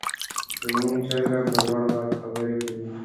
زموږ چرګه په لوړ غږ خبرې کوي.